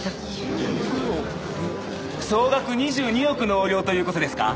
総額２２億の横領という事ですか？